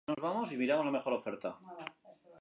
Si es así, no se puede confiar en la seguridad del servicio